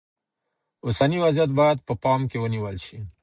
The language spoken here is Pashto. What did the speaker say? اوسنی وضعیت باید په پام کې ونیول شي.